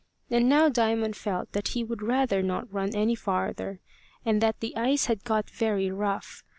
And now Diamond felt that he would rather not run any farther, and that the ice had got very rough.